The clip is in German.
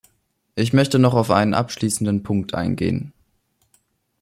Ich möchte noch auf einen abschließenden Punkt eingehen.